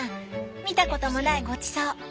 見たこともないごちそう。